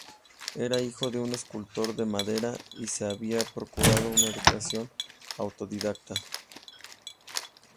Era hijo de un escultor de madera y se había procurado una educación autodidacta.